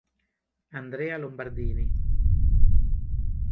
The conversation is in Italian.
Andrea Lombardini